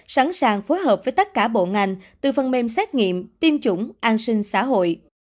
sẵn sàng phối hợp với tất cả bộ ngành từ phần mềm xét nghiệm tiêm chủng an sinh xã hội